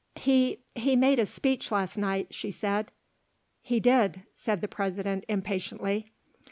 "He he made a speech last night," she said. "He did," said the President impatiently.